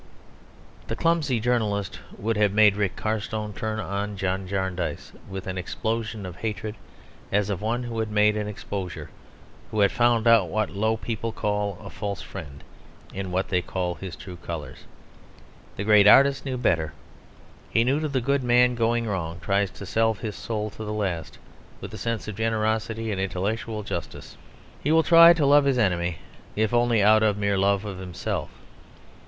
The clumsy journalist would have made Rick Carstone turn on John Jarndyce with an explosion of hatred, as of one who had made an exposure who had found out what low people call "a false friend" in what they call "his true colours." The great artist knew better; he knew that a good man going wrong tries to salve his soul to the last with the sense of generosity and intellectual justice. He will try to love his enemy if only out of mere love of himself.